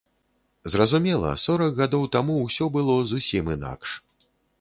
Зразумела, сорак гадоў таму ўсё было зусім інакш.